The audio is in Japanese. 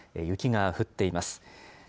雪が降っています。